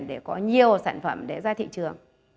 để có nhiều sản phẩm để ra thị trường